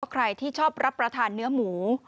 ใครที่ชอบรับประทานเนื้อหมู